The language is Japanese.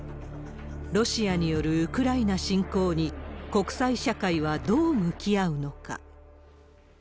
ロシアによるウクライナ侵攻に、国際社会はどう向き合うのか。